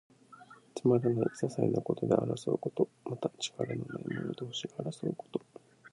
つまらない、ささいなことで争うこと。また、力のない者同士が争うこと。